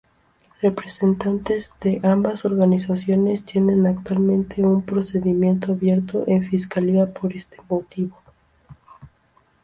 Representantes de ambas organizaciones tienen actualmente un procedimiento abierto en fiscalía por este motivo.